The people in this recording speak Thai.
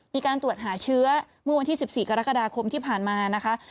มีการตรวจหาเชื้อเมื่อวันที่๑๔กรกฎาคมที่ผ่านมานะคะ